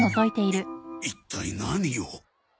い一体何を。